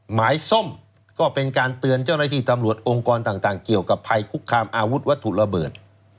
ส้มก็เป็นการเตือนเจ้าหน้าที่ตำรวจองค์กรต่างเกี่ยวกับภัยคุกคามอาวุธวัตถุระเบิด